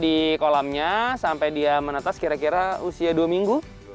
di kolamnya sampai dia menetas kira kira usia dua minggu